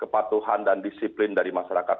kepatuhan dan disiplin dari masyarakat